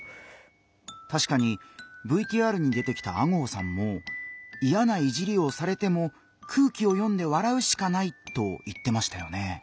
たしかにＶＴＲに出てきた吾郷さんも「イヤないじりをされても空気を読んで笑うしかない」と言ってましたよね。